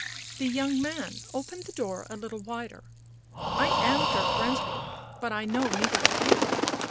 The young man opened the door a little wider. u I am Dirk Renswoude, but I know neither of you!"